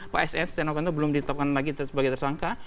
pak sn setia novanto belum ditetapkan lagi sebagai tersangka